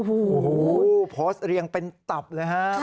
โอ้โหโพสต์เรียงเป็นตับเลยฮะ